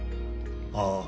ああ。